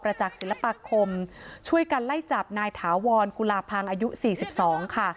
จากศิลปาคมช่วยกันไล่จับนายถาวรกุลาพังอายุ๔๒ค่ะ